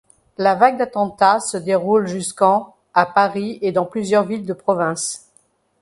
La vague d'attentats se déroule jusqu'en à Paris et dans plusieurs villes de province.